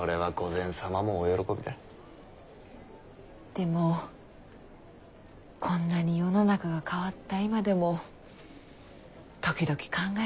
でもこんなに世の中が変わった今でも時々考えちまうのさ。